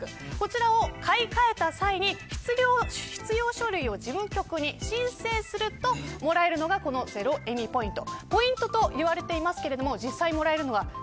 こちらを買い替えた際に必要書類を事務局に申請するともらえるのがこちらのゼロエミポイント。